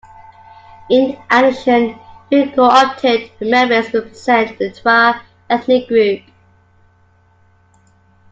In addition, three co-opted members represent the Twa ethnic group.